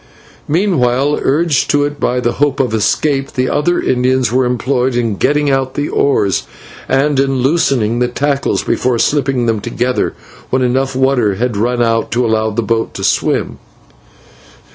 Meanwhile, urged to it by the hope of escape, the other Indians were employed in getting out the oars, and in loosening the tackles before slipping them altogether when enough water had run out to allow the boat to swim.